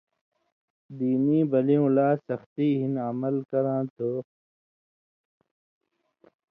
دینی بلیُوں لا سختی ہِن عمل کراں تھہ۔